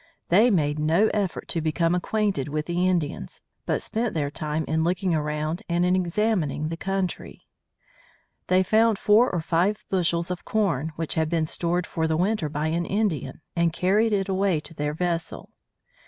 They made no effort to become acquainted with the Indians, but spent their time in looking around and in examining the country. They found four or five bushels of corn, which had been stored for the winter by an Indian, and carried it away to their vessel.